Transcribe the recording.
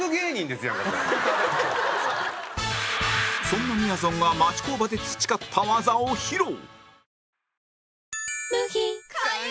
そんなみやぞんが町工場で培った技を披露